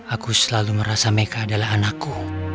aku selalu merasa mereka adalah anakku